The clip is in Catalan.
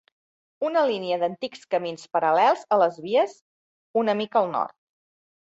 Una línia d'antics camins paral·lels a les vies, una mica al nord.